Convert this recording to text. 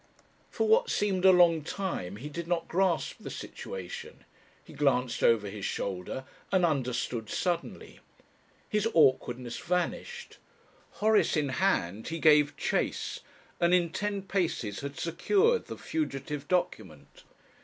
For what seemed a long time he did not grasp the situation. He glanced over his shoulder and understood suddenly. His awkwardness vanished. Horace in hand, he gave chase, and in ten paces had secured the fugitive document.